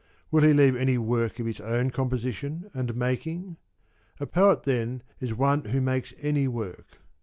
Will he leave any work of his own composition and making ?' A poet then is one who makes any work.